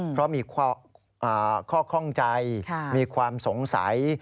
เพราะมีข้อข้องใจมีความสงสัย